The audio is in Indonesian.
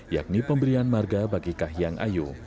yakni pemberian marga bagi kahiyang ayu